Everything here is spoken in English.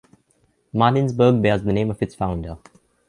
Martinsburg bears the name of its founder.